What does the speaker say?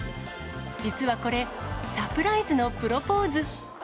実はこれ、サプライズのプロポーズ。